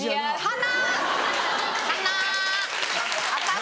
鼻！